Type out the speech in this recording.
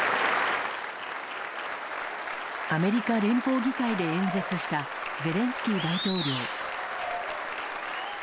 アメリカ連邦議会で演説したゼレンスキー大統領。